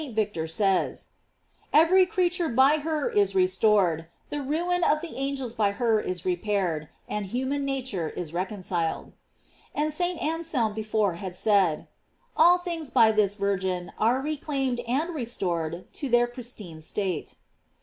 38$ St. Victor says: Every creature by her is restor ed, the ruin of the angels by her is repaired, and human nature is reconciled.* And St. Anselm before had said: All things by this Virgin are reclaimed and restored to their pristine Btate.